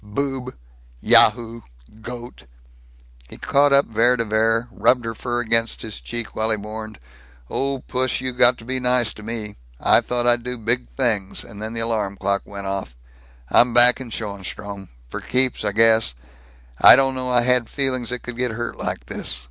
Boob! Yahoo! Goat!" He caught up Vere de Vere, rubbed her fur against his cheek while he mourned, "Oh, puss, you got to be nice to me. I thought I'd do big things. And then the alarm clock went off. I'm back in Schoenstrom. For keeps, I guess. I didn't know I had feelings that could get hurt like this.